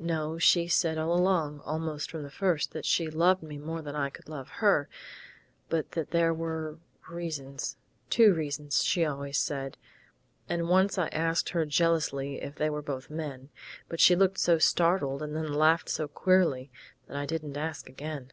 No, she said all along, almost from the first that she loved me more than I could love her, but that there were reasons.... Two reasons, she always said, and once I asked her jealously if they were both men, but she looked so startled and then laughed so queerly that I didn't ask again....